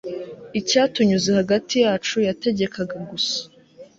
Icyatunyuze hagati yacu yategekaga gusa